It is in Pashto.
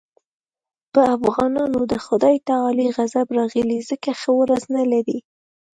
په افغانانو د خدای تعالی غضب راغلی ځکه ښه ورځ نه لري.